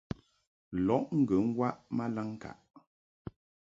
Lɔʼ ŋgə waʼ ma laŋŋkaʼ.